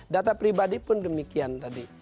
data pribadi pun demikian tadi